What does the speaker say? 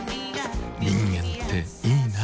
人間っていいナ。